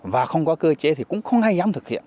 và không có cơ chế thì cũng không ai dám thực hiện